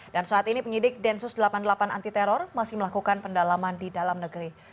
dan saat ini penyelidik densus delapan puluh delapan anti teror masih melakukan pendalaman di dalam negeri